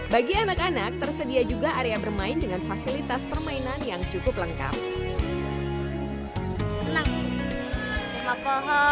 bagi anak anak tersedia juga area bermain dengan fasilitas permainan yang cukup lengkap